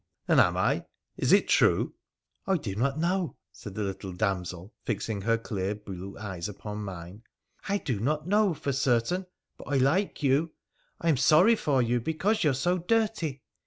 ' And am I ? Is it true ?' 1 1 do not know,' said the little damsel, fixing her clear blue eyes upon mine —' I do not know for certain, but I like you ! I am sorry for you, because you are so dirty.